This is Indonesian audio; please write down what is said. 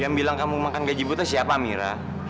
yang bilang kamu makan gaji buta siapa mira